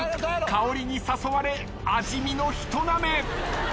香りに誘われ味見の一なめ。